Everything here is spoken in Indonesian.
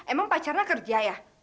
emang pak cerna kerja ya